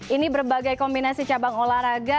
ini berbagai kombinasi cabang olahraga